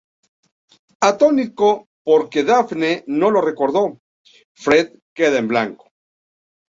Atónito por que Daphne no lo recordó, Fred queda en blanco.